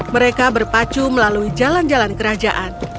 mereka berpacu melalui jalan jalan kerajaan